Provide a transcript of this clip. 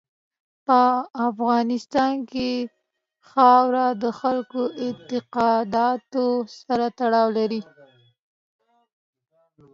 په افغانستان کې خاوره د خلکو اعتقاداتو سره تړاو لري.